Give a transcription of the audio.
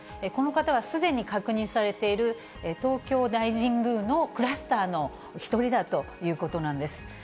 この方はすでに確認されている東京大神宮のクラスターの一人だということなんです。